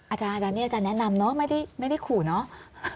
อาจารย์นี่อาจารย์แนะนำเนอะไม่ได้ขู่เนาะ